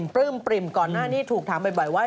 ปลื้มปริ่มก่อนหน้านี้ถูกถามบ่อยว่า